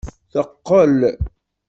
Teqqel.